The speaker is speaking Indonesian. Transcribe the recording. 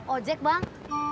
oh jack bang